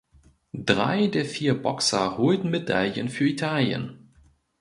Drei der vier Boxer holten Medaillen für Italien.